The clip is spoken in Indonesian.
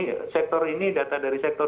nah ini sektor ini data dari sektor ini